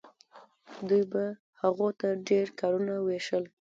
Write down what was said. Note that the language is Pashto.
دوی به هغو ته ډیر کارونه ویشل.